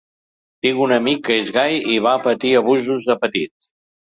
Tinc un amic que és gai i va patir abusos de petit.